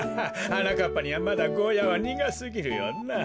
はなかっぱにはまだゴーヤはにがすぎるよな。